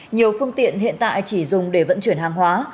nhiều phương tiện hiện tại chỉ dùng để vận chuyển hàng hóa